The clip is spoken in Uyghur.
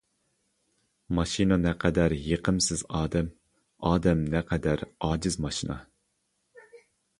ماشىنا نەقەدەر يېقىمسىز ئادەم، ئادەم نەقەدەر ئاجىز ماشىنا.